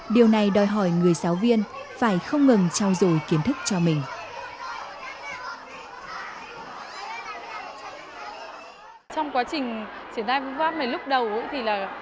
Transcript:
điều này đòi hỏi người giáo viên phải không ngừng trao dồi kiến thức cho mình